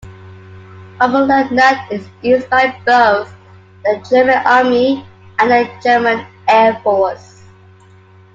Oberleutnant is used by both the German Army and the German Air Force.